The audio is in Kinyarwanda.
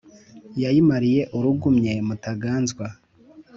yayimariye urugumye mutaganzwa